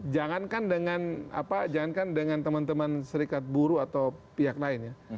jangankan dengan teman teman serikat buru atau pihak lainnya